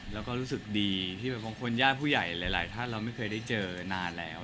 แล้วก็รู้สึกดีที่แบบบางคนญาติผู้ใหญ่หลายท่านเราไม่เคยได้เจอนานแล้ว